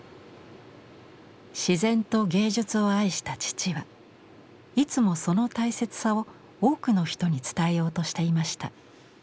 自然と芸術を愛した父はいつもその大切さを多くの人に伝えようとしていました。